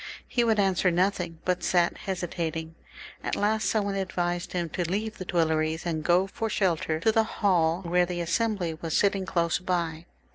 He would answer nothing, but sat hesitating. At last some one advised him to leave the Tuileries, and go for shelter to the hall where the Assembly was sitting close by.